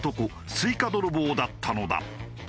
スイカ泥棒だったのだ。